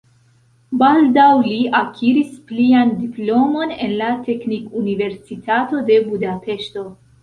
Baldaŭ li akiris plian diplomon en la Teknikuniversitato de Budapeŝto.